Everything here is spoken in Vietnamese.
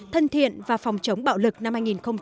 thân thiện và phòng chống bạo lực năm hai nghìn một mươi sáu